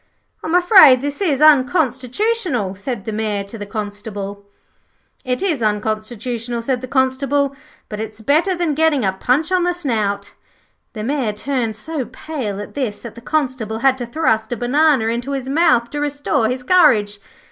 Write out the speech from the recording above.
'I'm afraid this is unconstitutional,' said the Mayor to the Constable. 'It is unconstitutional,' said the Constable; 'but it's better than getting a punch on the snout.' The Mayor turned so pale at this that the Constable had to thrust a banana into his mouth to restore his courage.